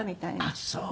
あっそう。